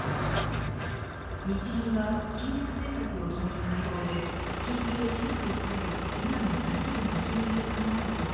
日銀は金融政策を決める会合で金利を低く抑える今の大規模な金融緩和策を